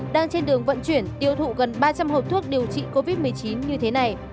đang trên đường vận chuyển tiêu thụ gần ba trăm linh hộp thuốc điều trị covid một mươi chín như thế này